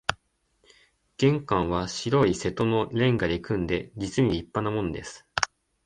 玄関は白い瀬戸の煉瓦で組んで、実に立派なもんです